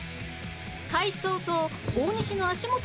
開始早々大西の足元にヒット